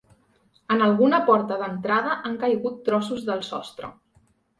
En alguna porta d’entrada han caigut trossos del sostre.